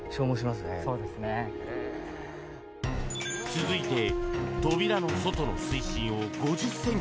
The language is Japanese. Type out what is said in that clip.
続いて扉の外の水深を５０ｃｍに。